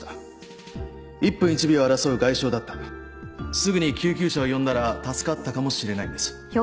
すぐに救急車を呼んだら助かったかもしれないんです。